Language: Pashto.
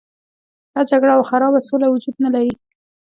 ښه جګړه او خرابه سوله وجود نه لري.